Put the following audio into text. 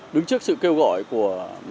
đứng trước sự kêu gọi của